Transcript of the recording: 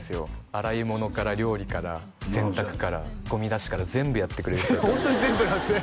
洗い物から料理から洗濯からゴミ出しから全部やってくれる人だったのでホントに全部なんですね